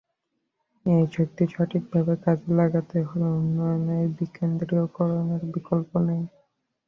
এই শক্তি সঠিকভাবে কাজে লাগাতে হলে উন্নয়নের বিকেন্দ্রীকরণের বিকল্প নেই।